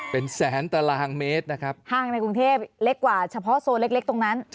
เป็นแสนตารางเมตรนะครับห้างในกรุงเทพเล็กกว่าเฉพาะโซนเล็กตรงนั้น